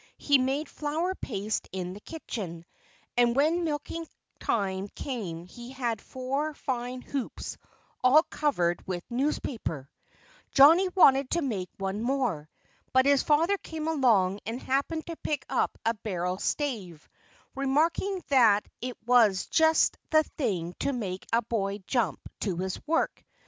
He made flour paste in the kitchen. And when milking time came he had four fine hoops all covered with newspaper. Johnnie wanted to make one more. But his father came along and happened to pick up a barrel stave, remarking that it was just the thing to make a boy jump to his work.